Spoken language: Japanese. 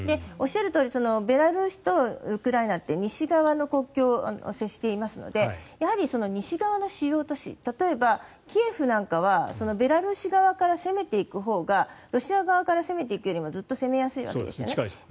おっしゃるとおりベラルーシとウクライナって西側の国境を接していますのでやはり西側の主要都市例えば、キエフなんかはベラルーシ側から攻めていくほうがロシア側から攻めていくよりもずっと攻めやすいですよね。